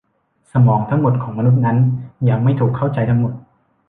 สมองทั้งหมดของมนุษย์นั้นยังไม่ถูกเข้าใจทั้งหมด